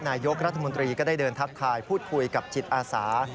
นายกรัฐมนตรีก็ได้เดินทักทายพูดคุยกับจิตอาสา